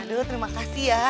aduh terima kasih ya